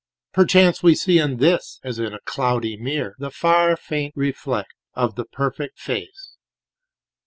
Perchance we see in this, as in a cloudy mirror, The far faint reflect of the Perfect Face.